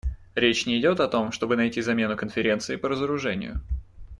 Речь не идет о том, чтобы найти замену Конференции по разоружению.